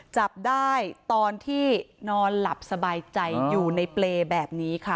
จับได้ตอนที่นอนหลับสบายใจอยู่ในเปรย์แบบนี้ค่ะ